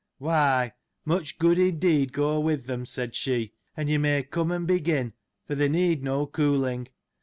Why, much good, indeed go with them ! said she, and you may come and begin, for they need no cooling.